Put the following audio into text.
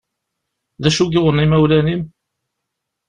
D acu i yuɣen imawlan-im?